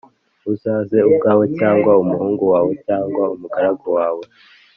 Uzaze ubwawe cyangwa umuhungu wawe cyangwa umugaragu wawe